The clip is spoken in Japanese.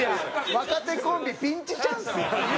若手コンビピンチ・チャンスや。